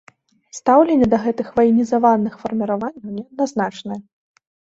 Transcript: Стаўленне да гэтых ваенізаваных фарміраванняў неадназначнае.